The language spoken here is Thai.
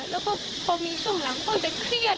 แล้วก็พอมีส่งหลังพวกไปเครียด